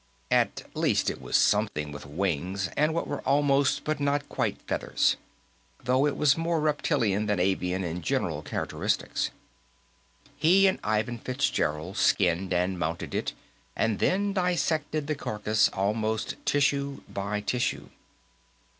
At least, it was a something with wings and what were almost but not quite feathers, though it was more reptilian than avian in general characteristics. He and Ivan Fitzgerald skinned and mounted it, and then dissected the carcass almost tissue by tissue.